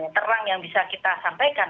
terang yang bisa kita sampaikan